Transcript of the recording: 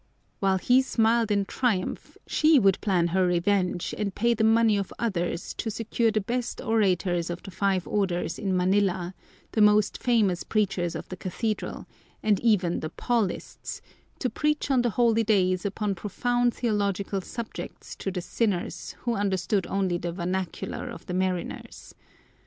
While he smiled in triumph, she would plan her revenge and pay the money of others to secure the best orators of the five Orders in Manila, the most famous preachers of the Cathedral, and even the Paulists, to preach on the holy days upon profound theological subjects to the sinners who understood only the vernacular of the mariners.